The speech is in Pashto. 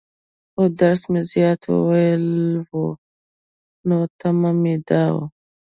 خو درس مې زيات وويلى وو، نو تمه مې دا وه.